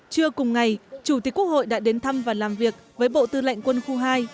trưa cùng ngày chủ tịch quốc hội đã đến thăm và làm việc với bộ tư lệnh quân khu hai